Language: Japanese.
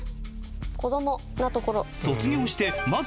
子どもなところ。